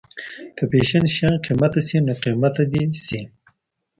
که فیشن شيان قیمته شي نو قیمته دې شي.